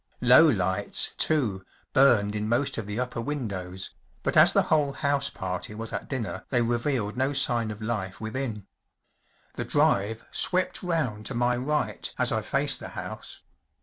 Low lights, too, burned in most of the upper windows, but as the whole house party was at dinner they revealed no sign of life within. The drive swept round to my right as I faced the house.